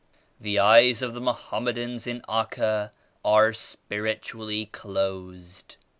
The eyes of the Mohammedans in Acca are spiritually closed."